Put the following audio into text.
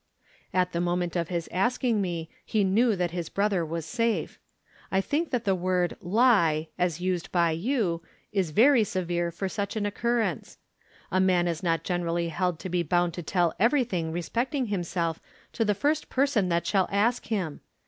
At the moment of his asking me he knew that his brother was safe. I think that the word 'lie,' as used by you, is very severe for such an occurrence. A man is not generally held to be bound to tell everything respecting himself to the first person that shall ask him.